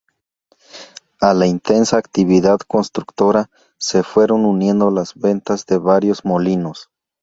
A la intensa actividad constructora, se fueron uniendo las ventas de varios molinos.